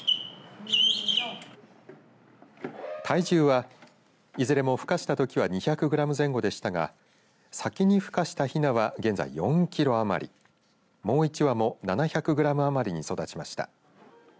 体重は、いずれもふ化したときは２００グラム前後でしたが先にふ化したひなは現在４キロ余りありもう１羽も７００グラム余りに成長しました。